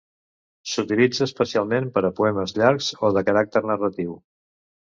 S'utilitza especialment per a poemes llargs o de caràcter narratiu.